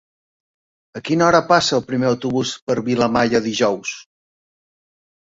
A quina hora passa el primer autobús per Vilamalla dijous?